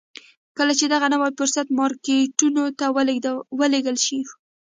کله چې دغه نوی صنعت مارکیټونو ته ولېږل شو